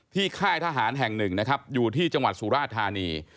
ที่ค่ายทหารแห่งหนึ่งอยู่ที่จังหวัดสูรภาษณ์ธานี